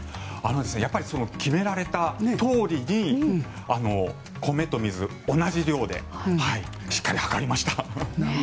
やっぱり決められたとおり米と水、同じ量でしっかり量りました。